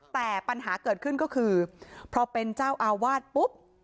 แต่ปัญหาเกิดขึ้นก็คือพอเป็นเจ้าอาวาสปุ๊บ